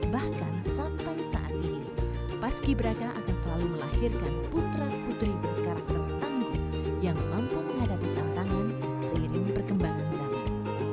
bahkan sampai saat ini paski beraka akan selalu melahirkan putra putri berkarakter tangguh yang mampu menghadapi tantangan seiring perkembangan zaman